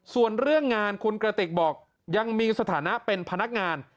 ส่วนเรื่องงานคุณกระติกบอกยังมีสถานะเป็นพนักงาน